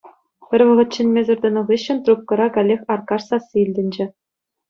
Пӗр вӑхӑт чӗнмесӗр тӑнӑ хыҫҫӑн трубкӑра каллех Аркаш сасси илтӗнчӗ.